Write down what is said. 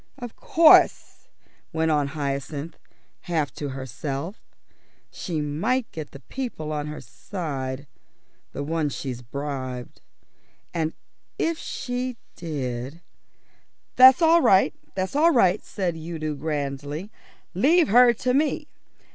"Of course," went on Hyacinth, half to herself, "she might get the people on her side, the ones that she's bribed. And if she did " "That's all right, that's all right," said Udo grandly. "Leave her to me.